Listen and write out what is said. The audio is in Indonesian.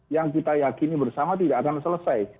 yang kita yakini bersama tidak akan selesai